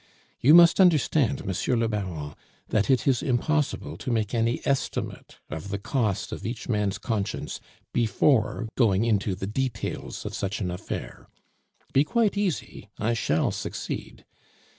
You must understand, Monsieur le Baron, that it is impossible to make any estimate of the cost of each man's conscience before going into the details of such an affair. Be quite easy; I shall succeed.